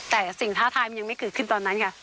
แต่สิ่งท้าทายมันยังไม่เกิดขึ้นตอนนั้นค่ะ